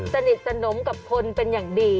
สนิทสนมกับคนเป็นอย่างดี